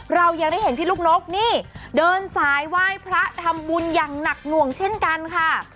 เรายังได้เห็นพี่ลูกนกนี่เดินสายไหว้พระทำบุญอย่างหนักหน่วงเช่นกันค่ะ